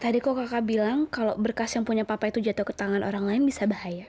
tadi kok kakak bilang kalau berkas yang punya papa itu jatuh ke tangan orang lain bisa bahaya